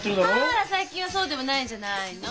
あら最近はそうでもないんじゃないの？